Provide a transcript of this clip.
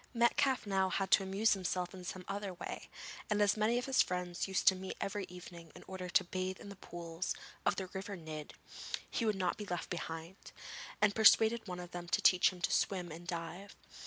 Metcalfe now had to amuse himself in some other way, and as many of his friends used to meet every evening in order to bathe in the pools of the river Nidd, he would not be left behind, and persuaded one of them to teach him to swim and dive.